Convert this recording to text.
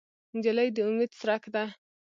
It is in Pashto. نجلۍ د امید څرک ده.